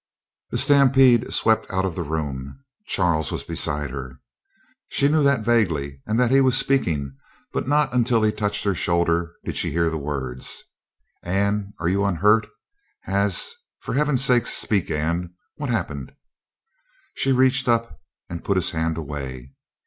The stampede swept out of the room. Charles was beside her. She knew that vaguely, and that he was speaking, but not until he touched her shoulder did she hear the words: "Anne, are you unhurt has for heaven's sake speak, Anne. What's happened?" She reached up and put his hand away.